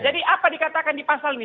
jadi apa dikatakan di pasal ini